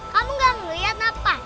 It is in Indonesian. kamu gak ngeliat apa